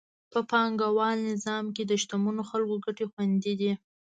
په پانګوال نظام کې د شتمنو خلکو ګټې خوندي دي.